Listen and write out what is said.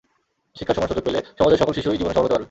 শিক্ষার সমান সুযোগ পেলে সমাজের সকল শিশুই জীবনে সফল হতে পারবে।